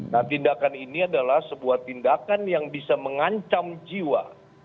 nah tindakan ini adalah sebuah tindakan yang bisa mengancam jiwa